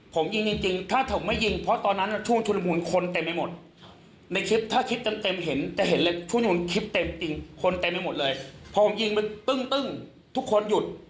ผมยิงจริงจริงถ้าผมไม่ยิงเพราะตอนนั้นช่วงชุนมูลคนเต็มไปหมด